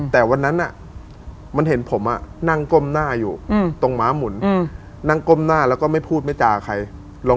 แต่วันนั้นมันเห็นผมนั่งก้มหน้าอยู่ตรงม้ามุน